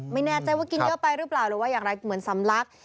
ไม่แน่ใจว่ากินเยอะไปหรือเปล่าหรือว่าอย่างไรเหมือนสำลัก